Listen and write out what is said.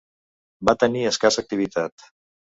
Va tenir escassa activitat.